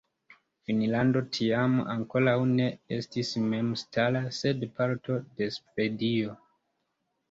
Finnlando tiam ankoraŭ ne estis memstara, sed parto de Svedio.